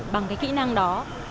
bằng cái kĩ năng đó